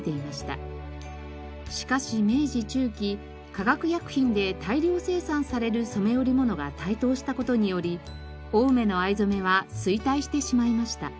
しかし明治中期化学薬品で大量生産される染織物が台頭した事により青梅の藍染は衰退してしまいました。